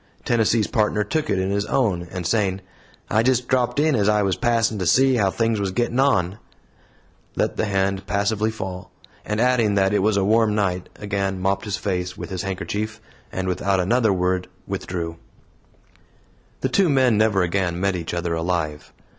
Tennessee's Partner took it in his own, and saying, "I just dropped in as I was passin' to see how things was gettin' on," let the hand passively fall, and adding that it was a warm night, again mopped his face with his handkerchief, and without another word withdrew. The two men never again met each other alive.